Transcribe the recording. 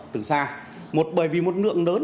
từ xa một bởi vì một lượng lớn